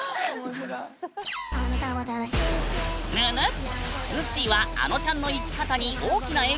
ぬぬっ！